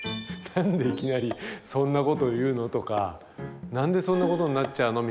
「何でいきなりそんなこと言うの？」とか「何でそんなことになっちゃうの？」